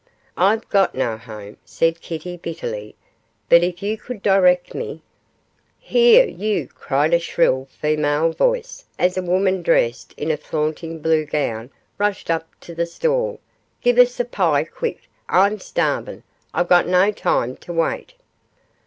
'I've got no home,' said Kitty, bitterly, 'but if you could direct me ' 'Here, you,' cried a shrill female voice, as a woman dressed in a flaunting blue gown rushed up to the stall, 'give us a pie quick; I'm starvin'; I've got no time to wait.